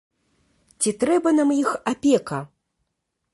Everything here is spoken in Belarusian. Ці трэба нам іх апека?